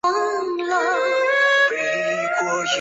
丁彦雨航被授予本次比赛最有价值球员。